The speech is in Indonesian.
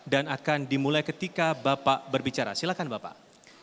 dan akan dimulai ketika bapak berbicara silakan bapak